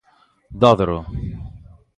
Dodro.